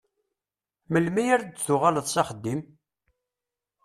Melmi ara d-tuɣaleḍ s axeddim?